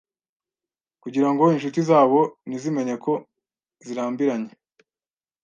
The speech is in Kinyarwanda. Kugirango inshuti zabo ntizimenye ko zirambiranye.